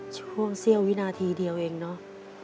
ช่วงเสี้ยววินาทีเดียวเองเนอะ